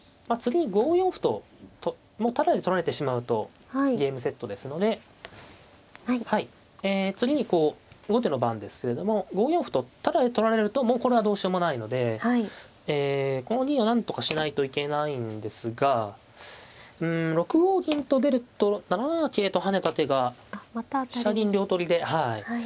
まあ次に５四歩ともうタダで取られてしまうとゲームセットですのではいえ次にこう後手の番ですけれども５四歩とタダで取られるともうこれはどうしようもないのでこの銀はなんとかしないといけないんですがうん６五銀と出ると７七桂と跳ねた手が飛車銀両取りで。